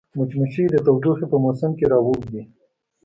مچمچۍ د تودوخې په موسم کې راووځي